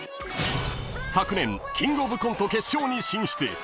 ［昨年キングオブコント決勝に進出］